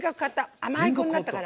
甘い子になったから。